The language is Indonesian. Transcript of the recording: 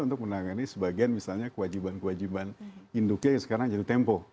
untuk menangani sebagian misalnya kewajiban kewajiban induknya yang sekarang jatuh tempo